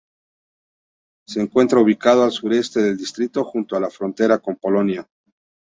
Se encuentra ubicado al sureste del distrito, junto a la frontera con Polonia.